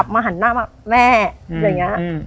มาหันหน้ามาแม่อย่างนี้